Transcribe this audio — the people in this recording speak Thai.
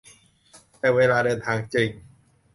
แต่เวลาเดินทางจริง